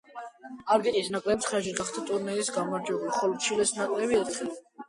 არგენტინის ნაკრები ცხრაჯერ გახდა ტურნირის გამარჯვებული, ხოლო ჩილეს ნაკრები ერთხელ.